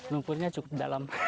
lumpurnya cukup dalam